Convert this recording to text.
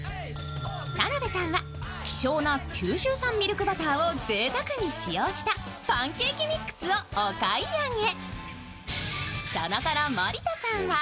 田辺さんは希少な九州産ミルクバターをぜいたくに使用したパンケーキミックスをお買い上げ。